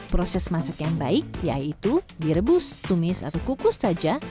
proses masak yang baik yaitu direbus tumis atau kukus saja